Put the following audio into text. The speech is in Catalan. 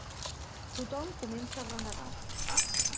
Tothom començà a renegar